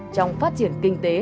trong phát triển kinh tế